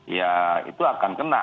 ya itu akan kena